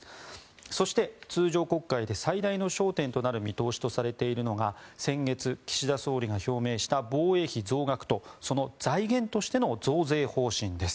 そして、通常国会で最大の焦点となる見通しとされているのが先月、岸田総理が表明した防衛費増額とその財源としての増税方針です。